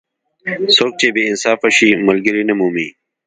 څوک چې بې انصافه شي؛ ملګری نه مومي.